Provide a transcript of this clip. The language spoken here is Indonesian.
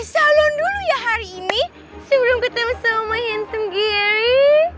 salon dulu ya hari ini sebelum ketemu sama my handsome geri